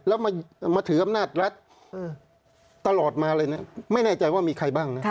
แล้วมาถืออำนาจรัฐตลอดมาเลยนะไม่แน่ใจว่ามีใครบ้างนะ